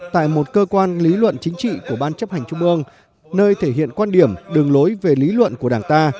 tại một cơ quan lý luận chính trị của ban chấp hành trung ương nơi thể hiện quan điểm đường lối về lý luận của đảng ta